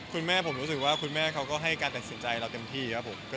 คุณแม่ผมรู้สึกว่าคุณแม่เขาก็ให้การตัดสินใจเราเต็มที่ครับผม